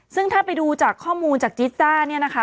ซึ่งถ้าไปดูจากข้อมูลจากจีสต้าเนี่ยนะคะ